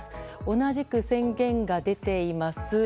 同じく宣言が出ています